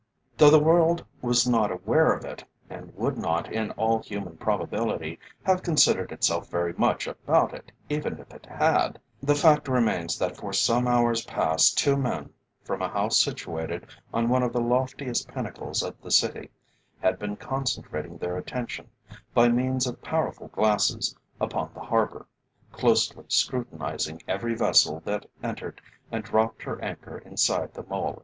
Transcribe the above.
Though the world was not aware of it, and would not, in all human probability, have concerned itself very much about it even if it had, the fact remains that for some hours past two men, from a house situated on one of the loftiest pinnacles of the city, had been concentrating their attention, by means of powerful glasses, upon the harbour, closely scrutinizing every vessel that entered and dropped her anchor inside the Mole.